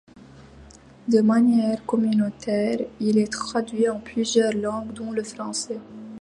De manière communautaire, il est traduit en plusieurs langues dont le français.